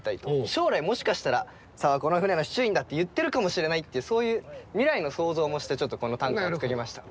将来もしかしたら「さわはこの船の司厨員だ」って言ってるかもしれないってそういう未来の想像もしてちょっとこの短歌を作りました。